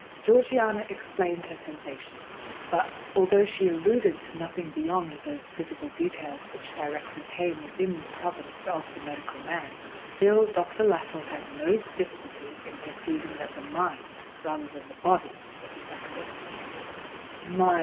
Georgiana explained her sensations; but, although she alluded to nothing beyond those physical details which directly came within the province of the medical man, still Dr. Lascelles had no difficulty in perceiving that the mind, rather than the body, was affected.